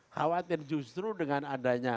khawatir justru dengan adanya